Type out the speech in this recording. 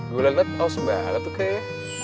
gue liat lo sebalik itu kayaknya